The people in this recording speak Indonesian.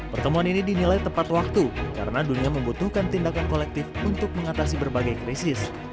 pertemuan ini dinilai tepat waktu karena dunia membutuhkan tindakan kolektif untuk mengatasi berbagai krisis